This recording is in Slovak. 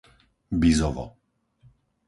Bizovo